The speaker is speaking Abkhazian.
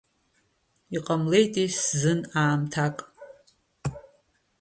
Иҟамлеитеи сзын аамҭак.